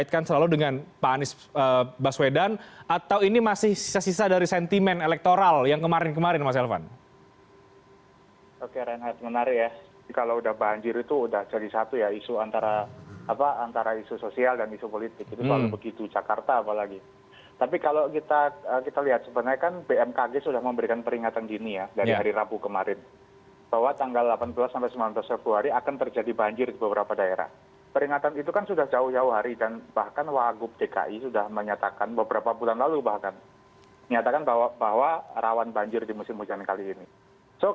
terutama di wilayah wilayah yang menjadi sumber dan menjadi penerima dampak